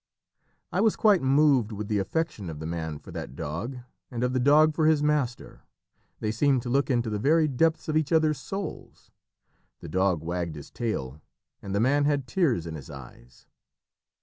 I was quite moved with the affection of the man for that dog, and of the dog for his master; they seemed to look into the very depths of each other's souls. The dog wagged his tail, and the man had tears in his eyes.